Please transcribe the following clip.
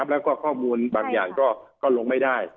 แล้วก็ข้อมูลบางอย่างก็ลงไม่ได้